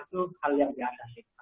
itu hal yang biasa sih